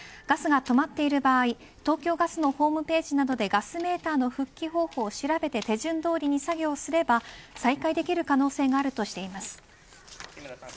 ガスが止まっている場合東京ガスのホームページなどでガスメーターの復帰方法を調べて手順どおりに作業すれば再開できる可能性があるそうです。